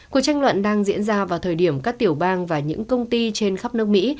cuộc tranh luận đang diễn ra vào thời điểm các tiểu bang và những công ty trên khắp nước mỹ